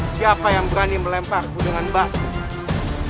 siapa yang berani melemparku dengan batu